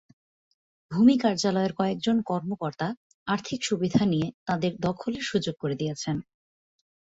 ভূমি কার্যালয়ের কয়েকজন কর্মকর্তা আর্থিক সুবিধা নিয়ে তাঁদের দখলের সুযোগ করে দিয়েছেন।